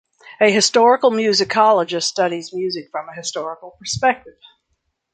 A historical musicologist studies music from a historical perspective.